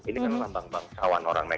ini kan memang bangsawan orang negeri